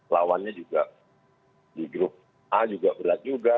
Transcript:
lawannya juga di grup a juga berat juga